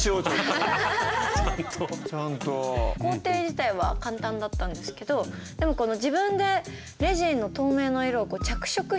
工程自体は簡単だったんですけどでも自分でレジンの透明の色を着色していく。